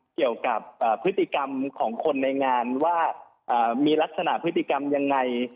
เกี่ยวกับพฤติกรรมของคนในงานว่ามีลักษณะพฤติกรรมยังไง